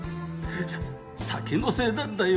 さ酒のせいなんだよ。